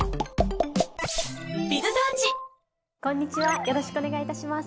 こんにちはよろしくお願いいたします。